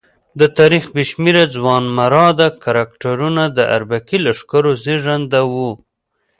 د تاریخ بې شمېره ځوانمراده کرکټرونه د اربکي لښکرو زېږنده وو.